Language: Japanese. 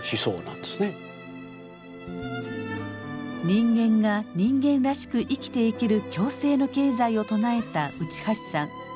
人間が人間らしく生きていける共生の経済を唱えた内橋さん。